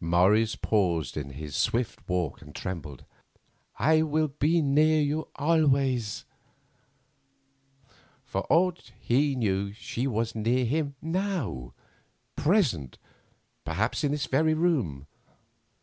Morris paused in his swift walk and trembled: "I will be near you always." For aught he knew she was near him now—present, perhaps, in this very room.